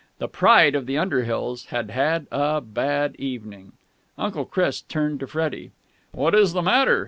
The pride of the Underhills had had a bad evening. Uncle Chris turned to Freddie. "What is the matter?"